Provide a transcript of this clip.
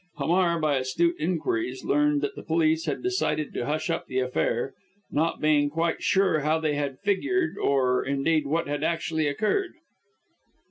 Hamar, by astute inquiries, learned that the police had decided to hush up the affair, not being quite sure how they had figured, or, indeed, what had actually occurred.